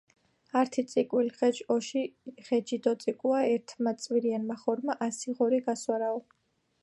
ართი წიკვილ ღეჯქ ოში ღეჯი დოწიკუა ერთმა წვირიანმა ღორმა ასი ღორი გასვარაო